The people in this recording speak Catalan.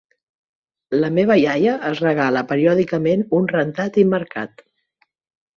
La meva iaia es regala periòdicament un rentat i marcat.